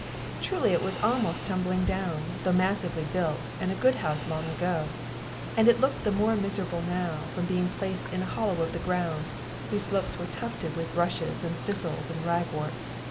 Truly it was almost tumbling down, though massively built, and a good house long ago; and it looked the more miserable now from being placed in a hollow of the ground, whose slopes were tufted with rushes and thistles and ragwort.